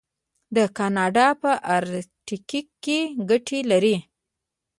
کاناډا په ارکټیک کې ګټې لري.